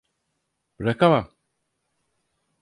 Bırakamam.